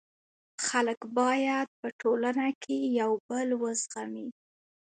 خلک باید په ټولنه کي یو بل و زغمي.